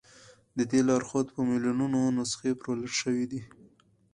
د دې لارښود په میلیونونو نسخې پلورل شوي دي.